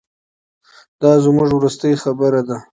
دا زموږ وروستۍ خبره ده.